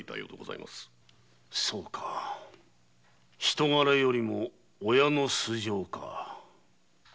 そうか人柄よりも親の素性か。